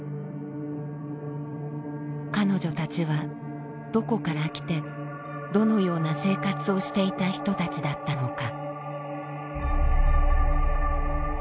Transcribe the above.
彼女たちはどこから来てどのような生活をしていた人たちだったのか。